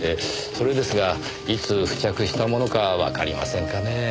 それですがいつ付着したものかわかりませんかねぇ？